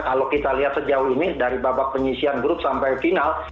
kalau kita lihat sejauh ini dari babak penyisian grup sampai final